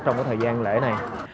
trong cái thời gian lễ này